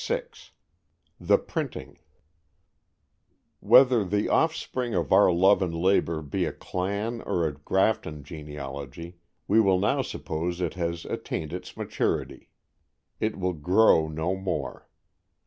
VI THE PRINTING Whether the offspring of our love and labor be a clan or a Grafton genealogy, we will now suppose it has attained its maturity. It will grow no more.